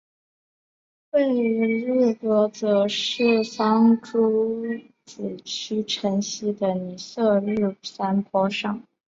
位于日喀则市桑珠孜区城西的尼色日山坡上。